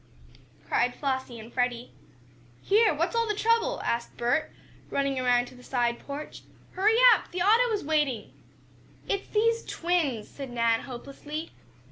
cried Flossie and Freddie. "Here! What's all the trouble?" asked Bert, running around to the side porch. "Hurry up! The auto is waiting." "It's these twins!" said Nan, hopelessly.